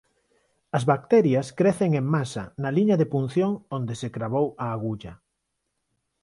As bacterias crecen en masa na liña de punción onde se cravou a agulla.